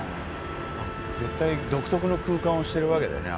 絶対独特の空間をしてるわけだよね。